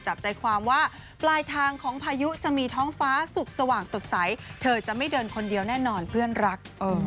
จับใจความว่าปลายทางของพายุจะมีท้องฟ้าสุขสว่างสดใสเธอจะไม่เดินคนเดียวแน่นอนเพื่อนรัก